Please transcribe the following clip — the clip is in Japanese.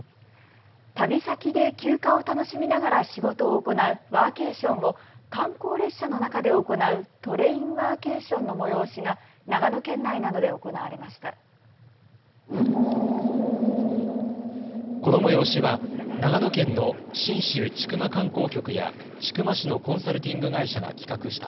旅先で休暇を楽しみながら仕事を行うワーケーションを観光列車の中で行うトレインワーケーションの催しが長野県内などで行われました。